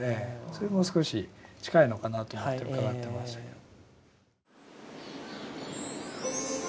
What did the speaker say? それも少し近いのかなと思って伺ってましたけど。